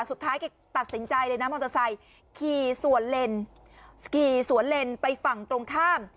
สุดท้ายแกตัดสินใจเลยนะมอเตอร์ไซค์ขี่สวนเลนขี่สวนเลนไปฝั่งตรงข้าม